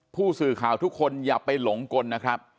ผู้สื่อข่าวทุกคนอย่าไปหลงกลนะครับ